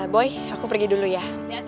boy aku pergi dulu ya